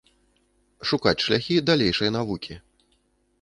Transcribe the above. Шукаць шляхі далейшай навукі.